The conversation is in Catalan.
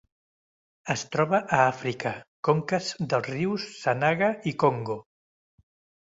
Es troba a Àfrica: conques dels rius Sanaga i Congo.